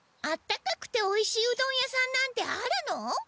あったかくておいしいうどん屋さんなんてあるの？